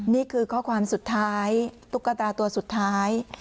นี่คือข้อความสุดท้ายตุ๊กตาตัวสุดท้าย